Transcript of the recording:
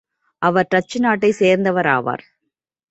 அவர் Dutch நாட்டைச் சேர்ந்தவராவார்.